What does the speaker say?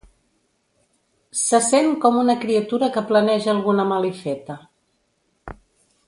Se sent com una criatura que planeja alguna malifeta.